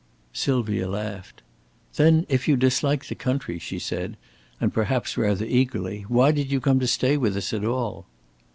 Sylvia laughed. "Then if you dislike the country," she said, and perhaps rather eagerly, "why did you come to stay with us at all?"